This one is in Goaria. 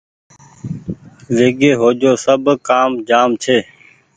ويگي هو جو سب ڪآم جآم ڇي